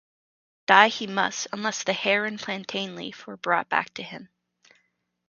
Die he must unless the hair and plantain leaf were brought back to him.